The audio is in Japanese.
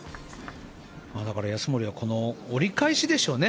だから安森は折り返しでしょうね。